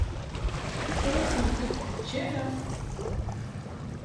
Ur as-ten-id-teǧǧa ara.